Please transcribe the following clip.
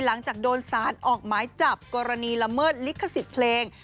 หลังจากโดนสารออกหมายจับกรณีละเมิดลิขสิทธิ์เพลง